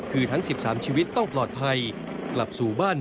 ก็ต้องปลอดภัยกลับสู่บ้าน